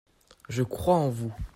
Je crois en vous.